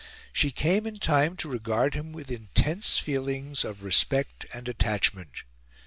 She came in time to regard him with intense feelings of respect and attachment.